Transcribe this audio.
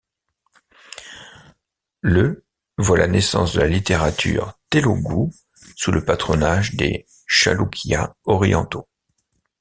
Le voit la naissance de la littérature Télougou sous le patronage des Chalukya orientaux.